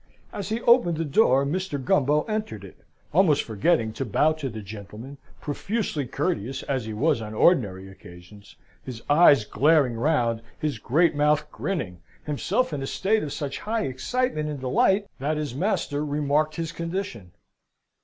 As he opened the door, Mr. Gumbo entered it; almost forgetting to bow to the gentleman, profusely courteous as he was on ordinary occasions, his eyes glaring round, his great mouth grinning himself in a state of such high excitement and delight that his master remarked his condition.